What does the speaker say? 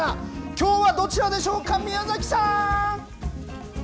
きょうはどちらでしょうか宮崎さん。